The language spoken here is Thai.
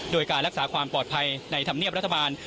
โดยการรักษาความปลอดภัยในธรรมเนียบรัฐบาล